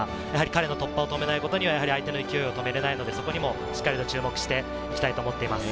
彼の突破を止めないことには相手の勢いは止められないので、注目していきたいと思っています。